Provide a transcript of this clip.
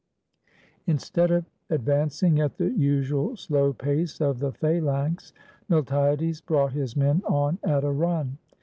Instead of advancing at the usual slow pace of the phalanx, Miltiades brought his men on at a run.